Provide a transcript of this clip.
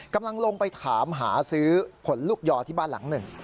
กำลังลงไปถามหาซื้อผลลูกยอที่บ้านหลังหนึ่ง